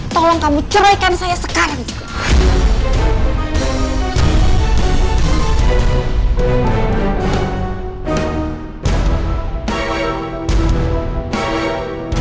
tolong kamu ceraikan saya sekarang juga